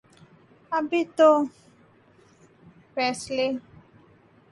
ابھی تو فیصلے